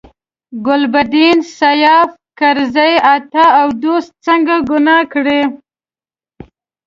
ګلبدین، سیاف، کرزي، عطا او دوستم څه ګناه کړې.